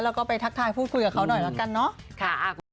แล้วก็ไปทักทายพูดคุยกับเขาหน่อยแล้วกันเนาะ